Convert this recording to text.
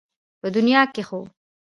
په دنيا کې خو